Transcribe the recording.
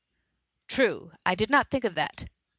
" True ; I did not think of that